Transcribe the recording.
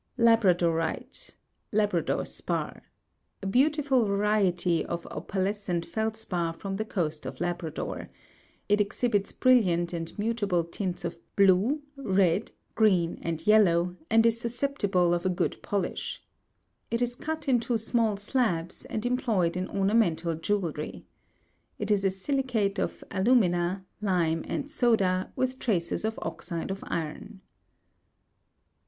La'bradorite Labrador spar. A beautiful variety of opalescent feldspar from the coast of Labrador : it exhibits brilliant and mutable tints of blue, red, green and yellow, and is susceptible of a good polish. It is cut into small slabs, and employed in ornamental jewelry. It is a si'licate of alu' mina, lime, and soda, with traces of oxide of iron.